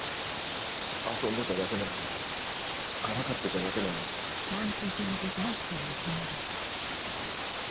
遊んでただけなのにからかってただけなのにお父さんどうしよ。